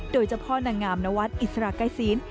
โดยเฉพาะนางงามนวัตน์อิสระไก้ศีล